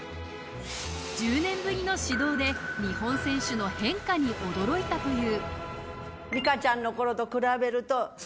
１０年ぶりの指導で日本選手の変化に驚いたという。